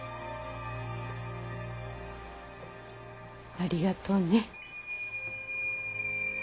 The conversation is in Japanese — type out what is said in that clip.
ありがとうね。